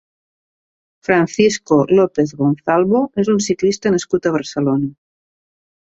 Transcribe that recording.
Francisco López Gonzalvo és un ciclista nascut a Barcelona.